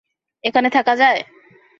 এখানে থাকা যায়!